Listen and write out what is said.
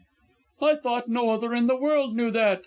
"I thought no other in the world knew that!"